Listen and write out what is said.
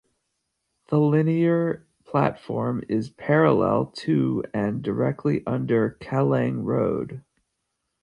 The linear platform is parallel to and directly under Kallang Road.